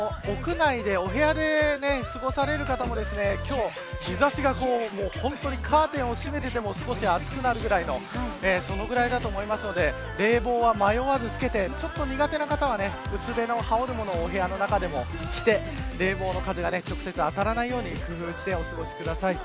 今日は屋内でお部屋で過ごされる方も日差しが本当にカーテンを閉めていても少し暑くなるくらいだと思いますので冷房は迷わずつけてちょっと苦手な方は薄手の羽織るものをお部屋の中でも着て冷房の風が直接当たらないように工夫してお過ごしください。